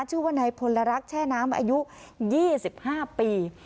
ชื่อว่านายผลละรักแช่น้ำอายุยี่สิบห้าปี